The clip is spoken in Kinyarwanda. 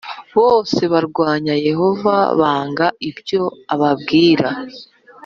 bose barwanya Yehova banga ibyo ababwira